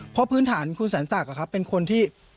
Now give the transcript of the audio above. เพราะพื้นฐานคุณแสนศักดิ์เป็นคนที่